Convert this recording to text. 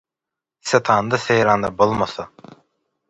Setanda-seýranda bolmasa